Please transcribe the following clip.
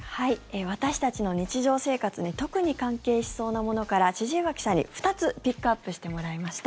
私たちの日常生活に特に関係しそうなものから千々岩記者に２つピックアップしてもらいました。